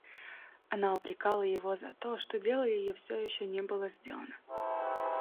Она упрекала его за то, что дело ее всё еще не было сделано.